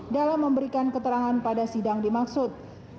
dalam memberikan keterangan pada sidang dimaksud